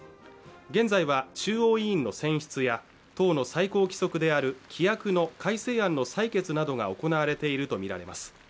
現在は中央委員の選出や党の最高規則である規約の改正案の採決などが行われていると見られます